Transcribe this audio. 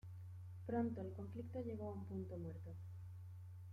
Pronto el conflicto llegó a un punto muerto.